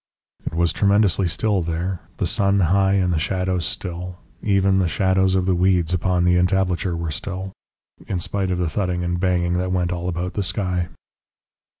It was tremendously still there, the sun high, and the shadows still; even the shadows of the weeds upon the entablature were still in spite of the thudding and banging that went all about the sky.